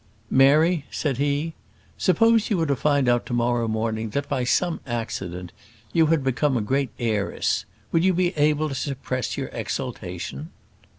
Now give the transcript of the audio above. "Mary," said he, "suppose you were to find out to morrow morning that, by some accident, you had become a great heiress, would you be able to suppress your exultation?"